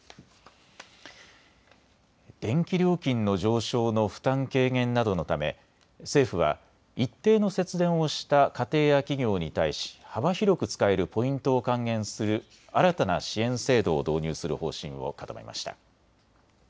電気料金の上昇の負担軽減などのため政府は一定の節電をした家庭や企業に対し幅広く使えるポイントを還元する新たな支援制度を導入する方針を固めました。